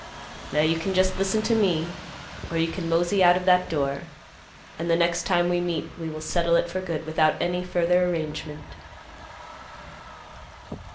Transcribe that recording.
Now you can just listen to me, or you can mosey out of that door, and the next time we meet, we will settle it for good, without any further arrangement."